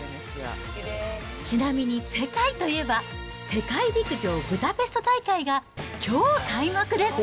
ちなみに世界といえば、世界陸上ブダペスト大会が、きょう開幕です。